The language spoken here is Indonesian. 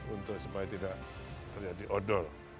untuk supaya tidak terjadi odol